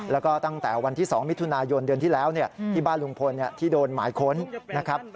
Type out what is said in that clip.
แล้วก็ตั้งแต่วันที่๒มิถุนายนเดือนที่แล้วที่บ้านลุงพลที่โดนหมายค้นนะครับ